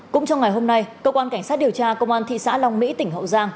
cũng trong ngày hôm nay cơ quan cảnh sát điều tra công an thị xã long mỹ tỉnh hậu giang